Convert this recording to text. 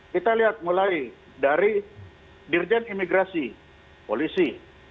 kita lihat mulai dari dirjen imigrasi polisi